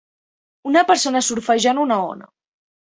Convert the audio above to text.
Una persona surfejant una ona.